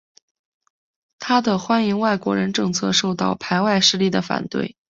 他的欢迎外国人政策受到排外势力的反对。